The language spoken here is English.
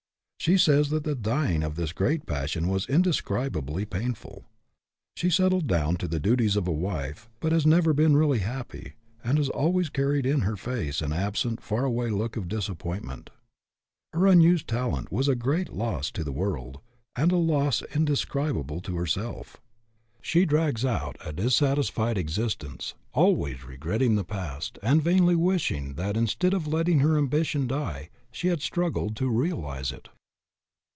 She says that the dying of this great passion was indescribably painful. She settled down to the duties of a wife, but has never been really happy, and has always carried in her face an absent, far away look of disappoint ment. Her unused talent was a great loss to the world, and a loss indescribable to herself. She drags out a dissatisfied existence, always regretting the past, and vainly wishing, that, instead of letting her ambition die, she had struggled to realize it.